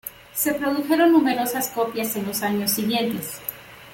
Se produjeron numerosas copias en los años siguientes.